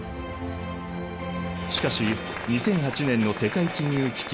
しかし２００８年の世界金融危機